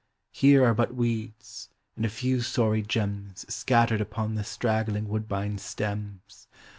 Here are but weeds, and a few sorry gems Scattered upon the straggling woodbine's stems.